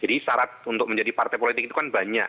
jadi syarat untuk menjadi partai politik itu kan banyak